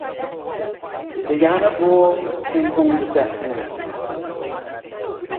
Diana Bull came home this afternoon.